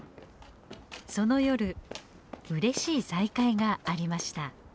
その夜うれしい再会がありました。